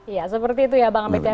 ya seperti itu ya bang ambedka